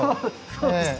そうですね。